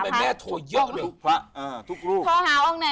ทำไมแม่โทรเยอะเลย